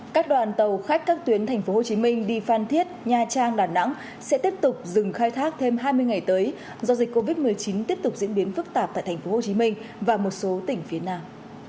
các đoàn tàu khách các tuyến tp hcm đi phan thiết nha trang đà nẵng sẽ tiếp tục dừng khai thác thêm hai mươi ngày tới do dịch covid một mươi chín tiếp tục diễn biến phức tạp tại tp hcm và một số tỉnh phía nam